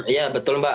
ya betul mbak